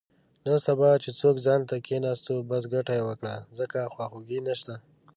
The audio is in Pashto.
نن سبا چې څوک ځانته کېناستو، بس ګټه یې وکړه، ځکه خواخوږی نشته.